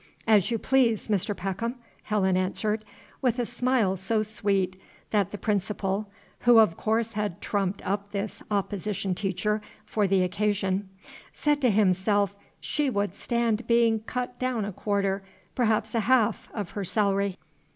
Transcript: "As you please, Mr. Peckham," Helen answered, with a smile so sweet that the Principal (who of course had trumped up this opposition teacher for the occasion) said to himself she would stand being cut down a quarter, perhaps a half, of her salary.